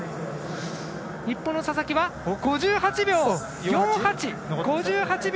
日本の佐々木は、５８秒４８！